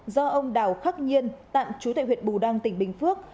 do ông đào khắc nhiên tạm chú tệ huyện bù đăng tỉnh bình phước